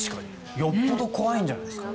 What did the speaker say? よっぽど怖いんじゃないですか。